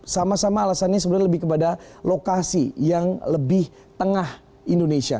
sama sama alasannya sebenarnya lebih kepada lokasi yang lebih tengah indonesia